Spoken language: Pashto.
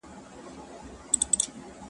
• له خوږو او له ترخو نه دي جارېږم,